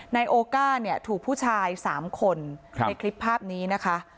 นายโอก้าเนี่ยถูกผู้ชาย๓คนในคลิปภาพนี้นะคะ